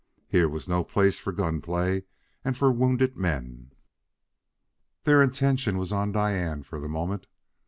Here was no place for gun play and for wounded men. Their attention was on Diane for the moment.